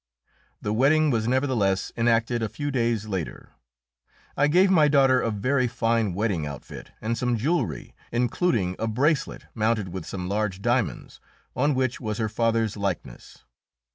The wedding was nevertheless enacted a few days later. I gave my daughter a very fine wedding outfit and some jewellery, including a bracelet, mounted with some large diamonds, on which was her father's likeness.